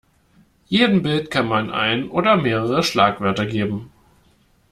Jedem Bild kann man ein oder mehrere Schlagwörter geben.